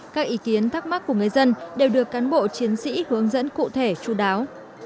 các ý kiến thắc mắc của người dân đều được cán bộ chiến sĩ hướng dẫn cụ thể chú đáo